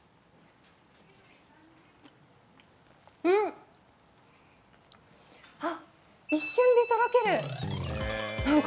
うん、あっ、一瞬でとろける！